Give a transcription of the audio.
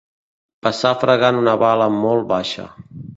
Passar fregant una bala molt baixa.